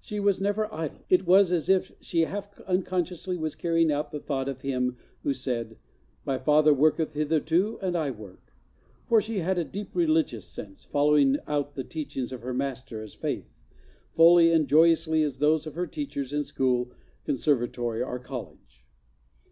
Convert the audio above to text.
She was never idle. It was as if she half unconsciously was carrying out the thought of Him who said "My Father worketh hitherto and I work;" for she had a deep religious sense, following out the teachings of her Master as faith¬ fully and joyously as those of her teachers in school, con¬ servatory, or college.